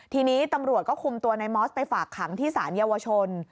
ทีนี้ตำรวจก็คุมตัวนายมอสไปฝากขังที่สารเยาวชน